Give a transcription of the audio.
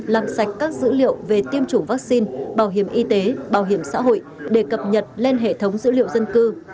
làm sạch các dữ liệu về tiêm chủng vaccine bảo hiểm y tế bảo hiểm xã hội để cập nhật lên hệ thống dữ liệu dân cư